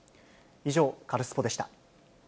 以上、カルスポっ！でした。